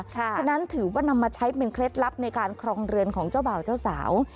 ฉะนั้นถือว่านำมาใช้เป็นเคล็ดลับในการครองเรือนของเจ้าบ่าวเจ้าสาว